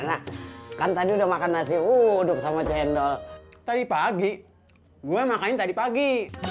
nah kan tadi udah makan nasi uduk sama cendol tadi pagi gue makannya tadi pagi